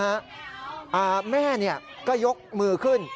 สวัสดีครับทุกคน